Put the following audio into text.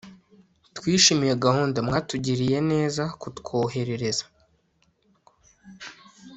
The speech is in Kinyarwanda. Twishimiye gahunda mwatugiriye neza kutwoherereza